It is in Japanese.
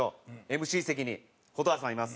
ＭＣ席に蛍原さんいます。